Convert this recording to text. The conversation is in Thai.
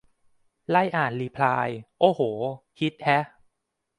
ไล่อ่านรีพลาย โอ้โห ฮิตแฮะ